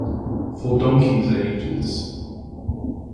For donkeys' ages.